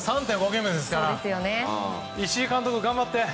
３．５ゲームですから石井監督、頑張って！